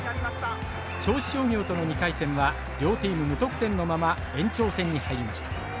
銚子商業との２回戦は両チーム無得点のまま延長戦に入りました。